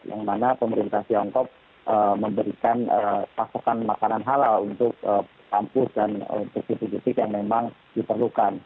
yang mana pemerintah tiongkok memberikan pasokan makanan halal untuk kampus dan untuk titik titik yang memang diperlukan